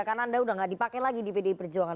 karena anda udah gak dipake lagi di pdp perjuangan